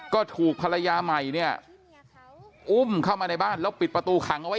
ก็ถูกภรรยาใหม่เนี่ยอุ้มเข้ามาในบ้านแล้วปิดประตูขังเอาไว้